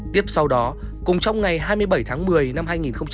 tiếp sau đó cùng trong ngày hai mươi bảy tháng một mươi năm hai nghìn hai mươi